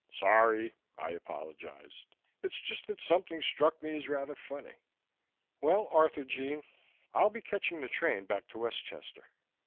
"Sorry," I apologized. "It's just that something struck me as rather funny. Well, Arthurjean, I'll be catching the train back to Westchester.